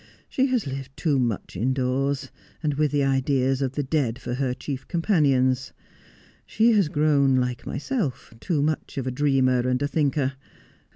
She has lived too much indoors, and with the ideas of the dead for her chief companions. She has grown, like myself, too much of a dreamer and a thinker.